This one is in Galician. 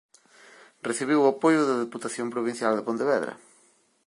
Recibiu o apoio da Deputación Provincial de Pontevedra.